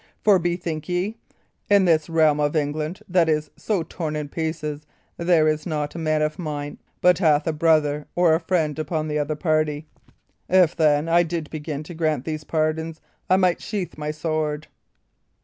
For, bethink ye, in this realm of England, that is so torn in pieces, there is not a man of mine but hath a brother or a friend upon the other party. If, then, I did begin to grant these pardons, I might sheathe my sword."